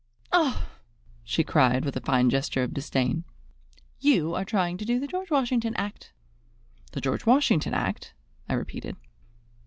"Oh!" she cried, with a fine gesture of disdain, "you are trying to do the George Washington act!" "The George Washington act!" I repeated.